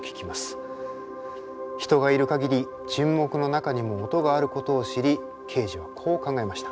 人がいる限り沈黙の中にも音があることを知りケージはこう考えました。